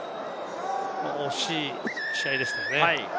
惜しい試合でしたよね。